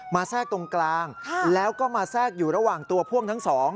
แทรกตรงกลางแล้วก็มาแทรกอยู่ระหว่างตัวพ่วงทั้งสอง